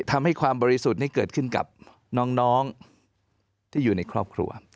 ทำให้ความบริสุทธิ์นี้เกิดขึ้นกับน้องที่อยู่ในครอบครัว